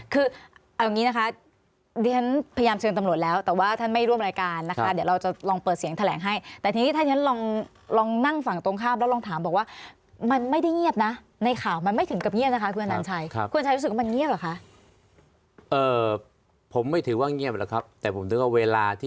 คือครอบครัวของครอบครัวเสียชีวิตก็ไปที่สำนักงานตำรวจแห่งชาติ